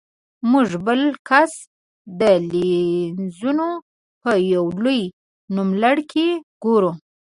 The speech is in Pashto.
موږ بل کس د لینزونو په یو لوی نوملړ کې ګورو.